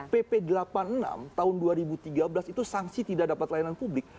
pp delapan puluh enam tahun dua ribu tiga belas itu sanksi tidak dapat layanan publik